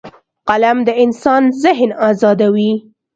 قلم د انسان ذهن ازادوي